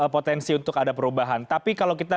potensi untuk ada perubahan tapi kalau kita